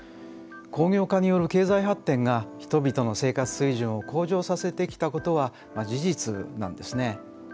工業化による経済発展が人々の生活水準を向上させてきたことは事実なんですね。